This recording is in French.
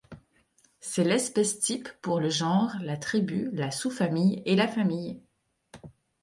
C'est l'espèce type pour le genre, la tribu, la sous-famille et la famille.